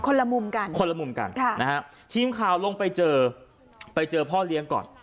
ละมุมกันคนละมุมกันค่ะนะฮะทีมข่าวลงไปเจอไปเจอพ่อเลี้ยงก่อน